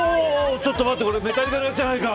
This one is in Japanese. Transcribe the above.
ちょっと待ってメタリカのやつじゃないか。